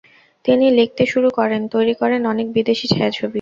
তিনি লিখতে শুরু করেন, তৈরি করেন অনেক বিদেশি ছায়াছবি।